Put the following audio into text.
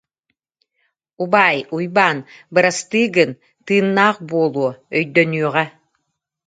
Убаай, Уйбаан, бырастыы гын, тыыннаах буолуо, өйдөнүөҕэ